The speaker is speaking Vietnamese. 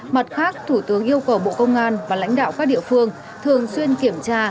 mặt khác thủ tướng yêu cầu bộ công an và lãnh đạo các địa phương thường xuyên kiểm tra